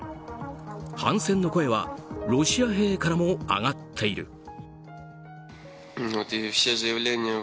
反戦の声はロシア兵からも上がっている。